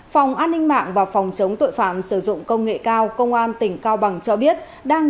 phòng an ninh mạng và phòng chống tội phạm sử dụng công nghệ cao công an tỉnh cao bằng cho biết đang